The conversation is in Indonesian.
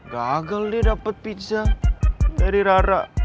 gagal dia dapat pizza dari rara